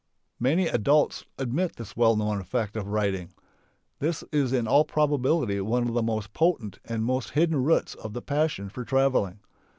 Many adults admit this well known effect of riding. This is in all probability one of the most potent and most hidden roots of the passion for travelling.